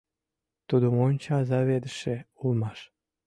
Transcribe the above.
— Тудо монча заведыше улмаш?